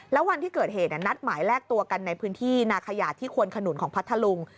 แล้ววันที่เกิดเหตุนัดหมายแลกตัวกันในพื้นที่นาขยาดที่ควนขนุนของพัทธลุง